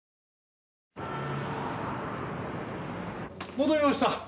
戻りました。